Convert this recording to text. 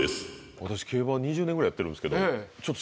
競馬２０年ぐらいやってるんですけど。